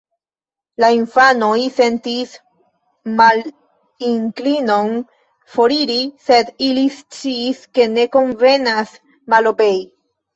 La infanoj sentis malinklinon foriri, sed ili sciis, ke ne konvenas malobei.